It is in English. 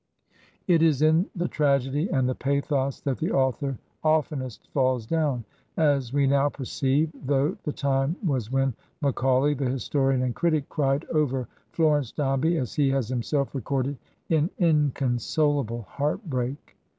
It is in the tragedy and the pathos that the author oftenest falls down, as we now perceive, though the time was when Macaulay, the historian and critic, cried over Florence Dombey, as he has himself recorded, in inconsolable heart break.